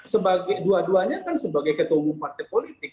sebagai dua duanya kan sebagai ketua umum partai politik